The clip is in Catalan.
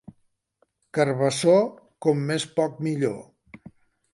Carabassó, com més poc, millor.